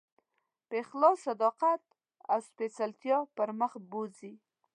په اخلاص، صداقت او سپېڅلتیا پر مخ بوځي.